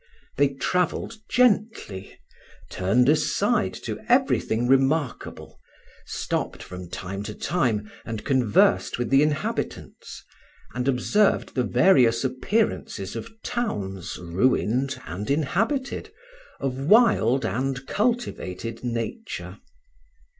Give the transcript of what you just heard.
They travelled gently, turned aside to everything remarkable, stopped from time to time and conversed with the inhabitants, and observed the various appearances of towns ruined and inhabited, of wild and cultivated nature.